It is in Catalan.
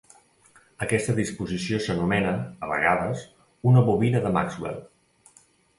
Aquesta disposició s'anomena, a vegades, una Bobina de Maxwell.